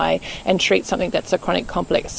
dan mencoba sesuatu yang kondisi kronik kompleks